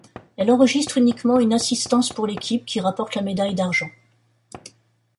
Elle enregistre uniquement une assistance pour l'équipe, qui rapporte la médaille d'argent.